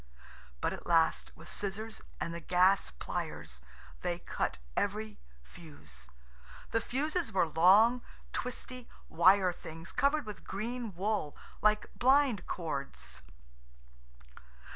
But at last, with scissors and the gas pliers, they cut every fuse. The fuses were long, twisty, wire things covered with green wool, like blind cords.